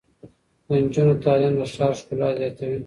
د نجونو تعلیم د ښار ښکلا زیاتوي.